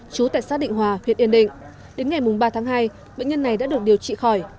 chú tại xã định hòa huyện yên định đến ngày ba tháng hai bệnh nhân này đã được điều trị khỏi